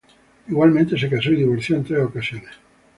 Igualmente, se casó y divorció en tres ocasiones.